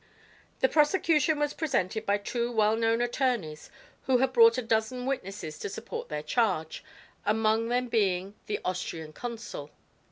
The prosecution was represented by two well known attorneys who had brought a dozen witnesses to support their charge, among them being the Austrian consul.